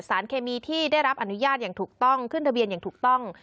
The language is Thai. สารเคมีที่ได้รับอนุญาตอย่างถูกต้องขึ้นทะเบียนอย่างถูกต้อง